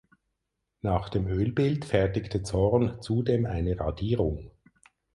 Nach dem Ölbild fertigte Zorn zudem eine Radierung.